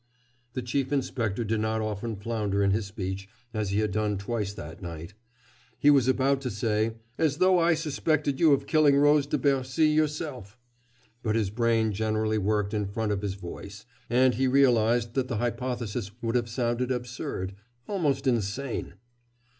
The Chief Inspector did not often flounder in his speech as he had done twice that night. He was about to say "as though I suspected you of killing Rose de Bercy yourself"; but his brain generally worked in front of his voice, and he realized that the hypothesis would have sounded absurd, almost insane.